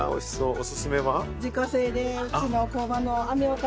おすすめは？